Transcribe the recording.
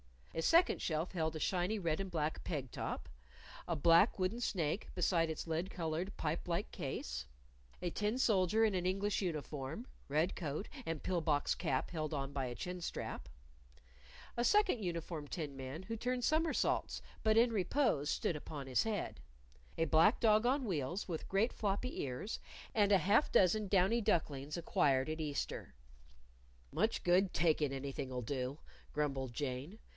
A second shelf held a shiny red and black peg top, a black wooden snake beside its lead colored pipe like case; a tin soldier in an English uniform red coat, and pill box cap held on by a chin strap; a second uniformed tin man who turned somersaults, but in repose stood upon his head; a black dog on wheels, with great floppy ears; and a half dozen downy ducklings acquired at Easter. "Much good takin' anything'll do!" grumbled Jane.